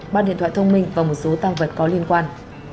ba điện thoại thông minh và một số tăng vật có liên quan